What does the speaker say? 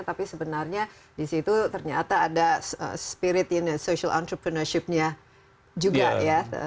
tapi sebenarnya di situ ternyata ada spirit social entrepreneurship nya juga ya